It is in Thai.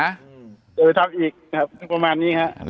อย่าไปทำอีกครับประมาณนี้ครับ